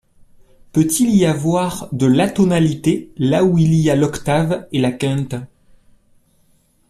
Peut-il y avoir de l’atonalité là où il y a l'octave et la quinte?